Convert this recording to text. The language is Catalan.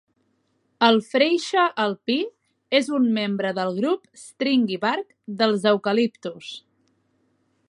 El freixe alpí és un membre del grup "Stringybark" dels eucaliptus.